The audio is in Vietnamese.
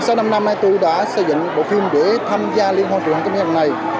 sau năm năm nay tôi đã xây dựng bộ phim để tham gia liên hoàn truyền hình công an này